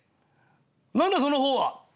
何だその方は」。